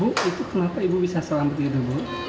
bu itu kenapa ibu bisa selamat itu bu